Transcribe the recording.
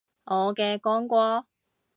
我嘅光哥